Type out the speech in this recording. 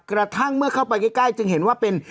กระทั่งเมื่อเข้าไปใกล้จึงเห็นว่าเป็น